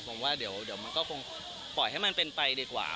ผมว่าเดี๋ยวมันก็คงปล่อยให้มันเป็นไปดีกว่า